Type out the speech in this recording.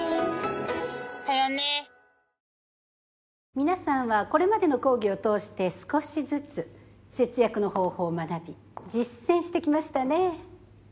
皆さんはこれまでの講義を通して少しずつ節約の方法を学び実践してきましたね。